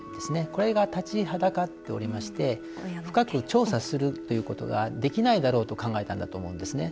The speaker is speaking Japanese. これが立ちはだかっておりまして深く調査するということができないだろうと考えたんだと思うんですね。